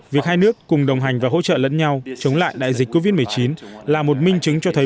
việc hai nước cùng đồng hành và hỗ trợ lẫn nhau chống lại đại dịch covid một mươi chín là một minh chứng cho thấy